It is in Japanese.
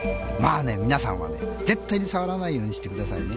皆さんは絶対に触らないようにしてくださいね。